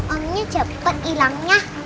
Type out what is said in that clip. omnya cepet hilangnya